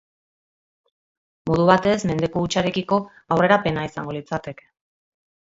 Modu batez, mendeku hutsarekiko aurrerapena izango litzateke.